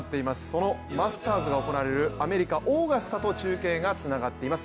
そのマスターズが行われるアメリカ・オーガスタと中継がつながっています。